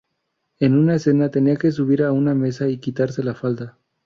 En una escena tenía que subir a una mesa y quitarse la falda.